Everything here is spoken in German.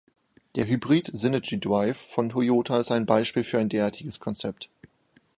Der Hybrid Synergy Drive von Toyota ist ein Beispiel für ein derartiges Konzept.